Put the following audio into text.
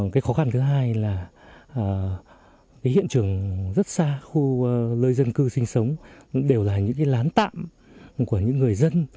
cái khó khăn thứ hai là hiện trường rất xa khu lơi dân cư sinh sống đều là những lán tạm của những người dân